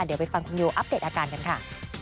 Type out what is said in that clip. เดี๋ยวไปฟังคุณนิวอัปเดตอาการกันค่ะ